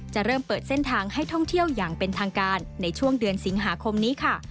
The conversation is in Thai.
จะเริ่มเปิดเส้นทางให้ท่องเที่ยวอย่างเป็นทางการในช่วงเดือนสิงหาคมนี้ค่ะ